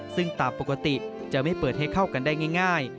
ซึ่งตามปกติจะไม่เปิดให้เข้ากันได้ง่าย